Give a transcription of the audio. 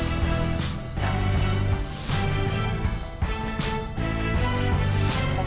ปลายฟ้า